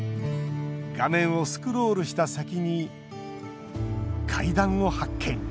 画面をスクロールした先に階段を発見。